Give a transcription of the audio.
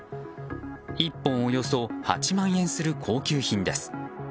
１本およそ８万円する高級品です。